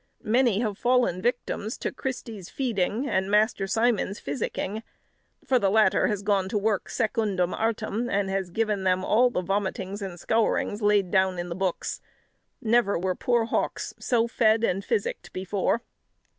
Many have fallen victims to Christy's feeding and Master Simon's physicking; for the latter has gone to work secundum artem, and has given them all the vomitings and scourings laid down in the books; never were poor hawks so fed and physicked before.